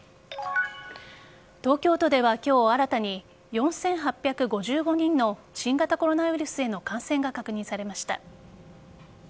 東京都では、今日は新たに４８５５人の新型コロナウイルスへの感染が確認されました。